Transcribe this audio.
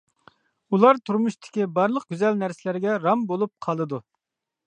ئۇلار تۇرمۇشتىكى بارلىق گۈزەل نەرسىلەرگە رام بولۇپ قالىدۇ.